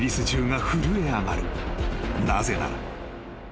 ［なぜなら］